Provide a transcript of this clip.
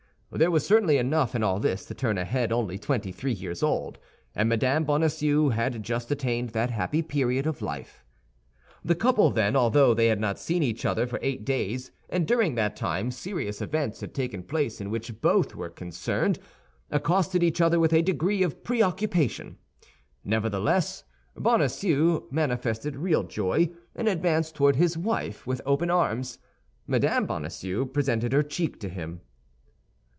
There was certainly enough in all this to turn a head only twenty three years old, and Mme. Bonacieux had just attained that happy period of life. The couple, then, although they had not seen each other for eight days, and during that time serious events had taken place in which both were concerned, accosted each other with a degree of preoccupation. Nevertheless, Bonacieux manifested real joy, and advanced toward his wife with open arms. Madame Bonacieux presented her cheek to him.